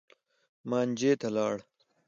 مانجې ته لاړ.